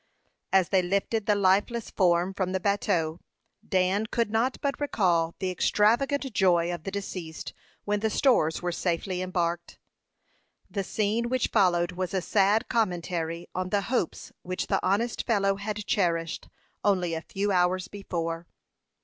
As they lifted the lifeless form from the bateau, Dan could not but recall the extravagant joy of the deceased when the stores were safely embarked. The scene which followed was a sad commentary on the hopes which the honest fellow had cherished only a few hours before.